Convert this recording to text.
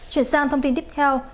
chuyển sang thông tin tiếp theo